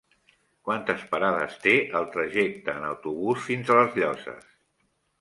Quantes parades té el trajecte en autobús fins a les Llosses?